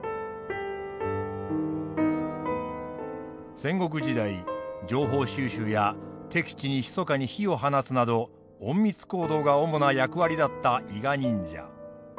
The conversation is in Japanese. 戦国時代情報収集や敵地にひそかに火を放つなど隠密行動が主な役割だった伊賀忍者。